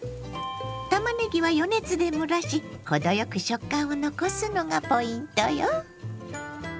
たまねぎは余熱で蒸らし程よく食感を残すのがポイントよ。